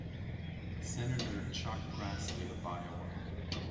Senator Chuck Grassley of Iowa.